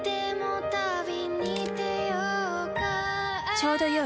ちょうどよい。